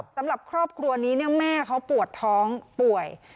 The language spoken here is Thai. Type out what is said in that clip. สำหรับครอบครัวนี้แม่เขาปวดท้องป่วย